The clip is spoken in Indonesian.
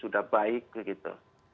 sudah baik gitu